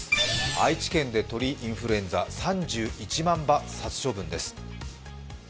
愛知県で鳥インフルエンザ、３１万羽殺処分です。